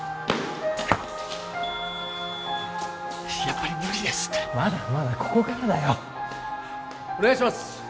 やっぱり無理ですってまだまだここからだよお願いします！